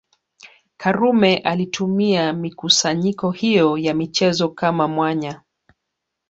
Karume alitumia mikusanyiko hiyo ya michezo kama mwanya